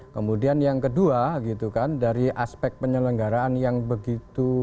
kemudian yang kedua gitu kan dari aspek penyelenggaraan yang begitu